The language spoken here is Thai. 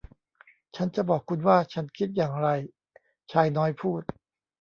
ฉันจะบอกคุณว่าฉันคิดอย่างไรชายน้อยพูด